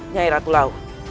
nyai ratu laut